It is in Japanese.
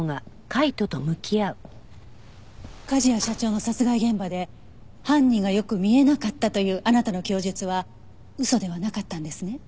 梶谷社長の殺害現場で犯人がよく見えなかったというあなたの供述は嘘ではなかったんですね？